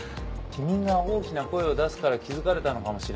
君が大きな声を出すから気付かれたのかもしれない。